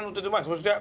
そして。